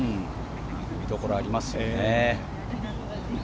見どころがありますよね。